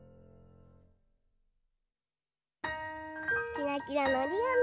キラキラのおりがみ。